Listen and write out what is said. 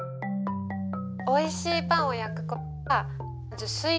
おいしいパンを焼くコは水。